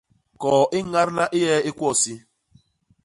Koo i ñadla i e i kwo isi.